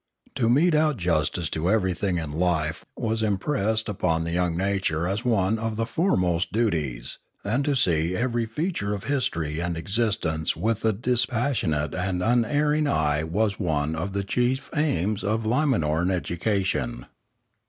To mete out justice to everything in life was impressed upon the young nature as one of the foremost of duties; and to see every feature of history and existence with a dispas sionate and unerring eye was one of the chief aims of Limanoran education.